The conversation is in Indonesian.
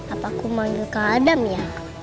apa aku manggil ke adam ya